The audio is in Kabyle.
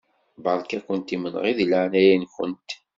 Beṛka-kent imenɣi di leɛnaya-nkent.